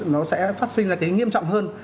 nó sẽ phát sinh ra cái nghiêm trọng hơn